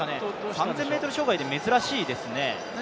３０００ｍ障害で珍しいですね。